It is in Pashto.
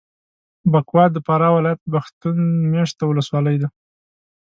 بکوا د فراه ولایت پښتون مېشته ولسوالي ده.